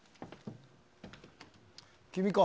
君か。